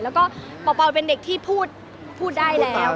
แล้วก็เป่าเป็นเด็กที่พูดได้แล้ว